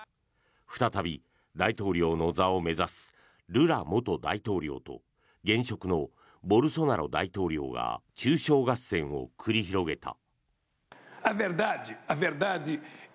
再び大統領の座を目指すルラ元大統領と現職のボルソナロ大統領が中傷合戦を繰り広げた。